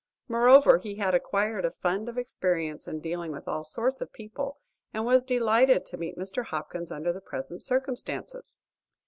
Moreover he had acquired a fund of experience in dealing with all sorts of people, and was delighted to meet Mr. Hopkins under the present circumstances.